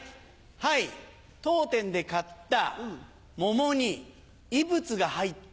はい当店で買った桃に異物が入っていた。